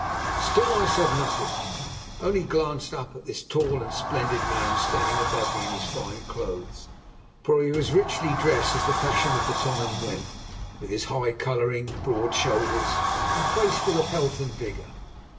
Still I said nothing, only glanced up at this tall and splendid man standing above me in his fine clothes, for he was richly dressed as the fashion of the time went, with his high colouring, broad shoulders, and face full of health and vigour.